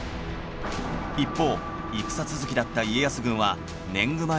一方戦続きだった家康軍は年貢米が不足